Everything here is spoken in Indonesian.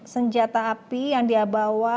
senjata api yang dia bawa